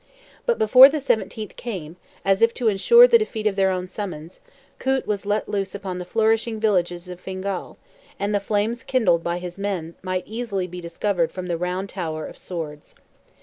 But before the 17th came, as if to ensure the defeat of their own summons, Coote was let loose upon the flourishing villages of Fingal, and the flames kindled by his men might easily be discovered from the round tower of Swords.